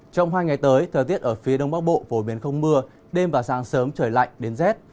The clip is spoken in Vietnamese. trong hai ngày tới thời tiết ở phía đông bắc bộ phổ biến không mưa đêm và sáng sớm trời lạnh đến rét